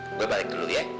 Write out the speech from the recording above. gue balik dulu ya